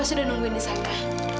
reskipas udah nungguin di sana